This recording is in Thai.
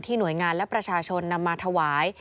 หน่วยงานและประชาชนนำมาถวาย